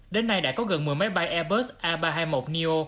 đến nay đã có gần một mươi máy bay airbus a ba trăm hai mươi một neo